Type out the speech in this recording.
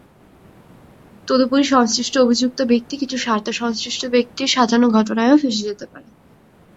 তদুপরি সংশ্লিষ্ট অভিযুক্ত ব্যক্তি কিছু স্বার্থসংশ্লিষ্ট ব্যক্তির সাজানো ঘটনায়ও ফেঁসে যেতে পারে।